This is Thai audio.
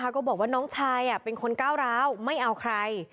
ก็บอกว่าน้องชายเป็นคนก้าวร้าวไม่เอาใคร